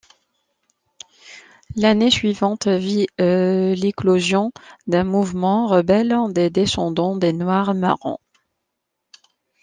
L’année suivante vit l’éclosion d’un mouvement rebelle des descendants des noirs marrons.